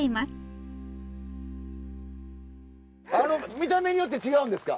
見た目によって違うんですか？